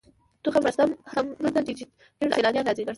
تخت رستم هم دلته دی چې ګڼ سیلانیان راځي.